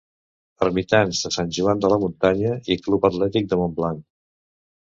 Ermitans de Sant Joan de la Muntanya i Club Atlètic de Montblanc.